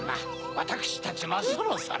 わたくしたちもそろそろ。